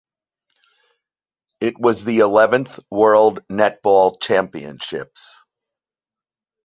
It was the eleventh World Netball Championships.